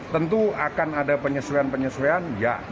tentu akan ada penyesuaian penyesuaian